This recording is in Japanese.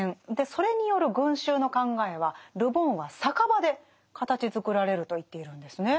それによる群衆の考えはル・ボンは酒場で形づくられると言っているんですね。